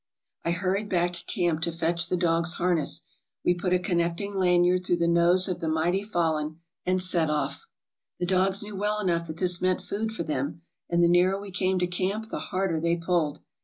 I hurried back to camp to fetch the dogs' harness; we put a connect ing lanyard through the nose of the mighty fallen, and set off. " The dogs knew well enough that this meant food for them, and the nearer we came to camp the harder they pulled.